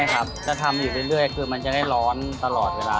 ก็ทำอยู่เรื่อยคือมันจะได้ร้อนตลอดเวลา